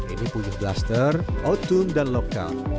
ini puyuh blaster autun dan lokal